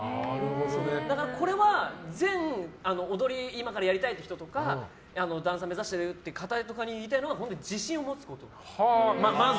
だからこれは踊り今からやりたいって人とかダンサー目指してる方とかに言いたいのは自信を持つこと。